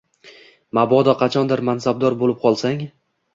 Mabodo qachondir mansabdor bo’lib qolsang